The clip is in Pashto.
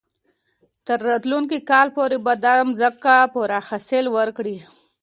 تر راتلونکي کال پورې به دا مځکه پوره حاصل ورکړي.